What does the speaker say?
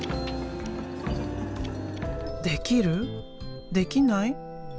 「できる？できない？